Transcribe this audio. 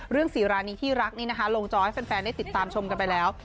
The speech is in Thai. สีรานีที่รักนี้นะคะลงจอให้แฟนได้ติดตามชมกันไปแล้ว